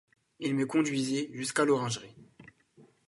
Il me conduisit jusqu'à l'Orangerie.